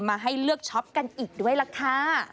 มาให้เลือกช็อปกันอีกด้วยล่ะค่ะ